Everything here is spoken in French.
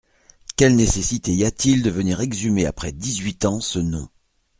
Quelle nécessité y a-t-il de venir exhumer après dix-huit ans ce nom ?…